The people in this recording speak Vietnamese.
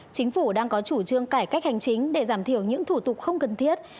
chính phủ đang có chủ trương cải cách hành chính để giảm thiểu những thủ tục không cần thiết